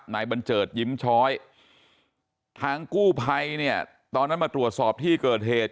บันเจิดยิ้มช้อยทางกู้ภัยเนี่ยตอนนั้นมาตรวจสอบที่เกิดเหตุ